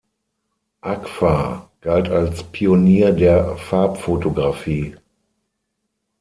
Agfa galt als Pionier der Farbfotografie.